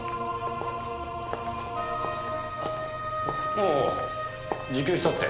おお自供したって？